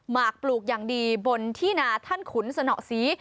หกปลูกอย่างดีบนที่นาท่านขุนสนอสี